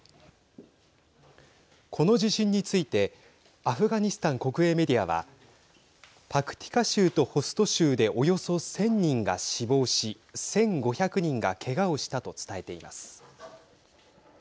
この地震についてアフガニスタン国営メディアはパクティカ州とホスト州でおよそ１０００人が死亡し１５００人がけがをしたと伝えています。